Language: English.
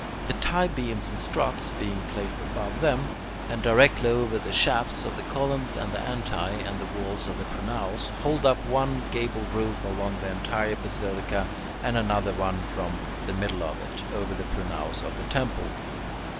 The tie beams and struts, being placed above them, and directly over the shafts of the columns and the antae and walls of the pronaos, hold up one gable roof along the entire basilica, and another from the middle of it, over the pronaos of the temple.